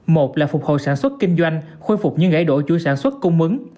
một là phục hồi sản xuất kinh doanh khôi phục những gãy đổ chuỗi sản xuất cung mứng